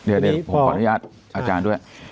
อ้าวทีนี้ผมขออนุญาตอาจารย์ด้วย